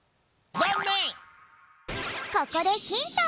ここでヒント！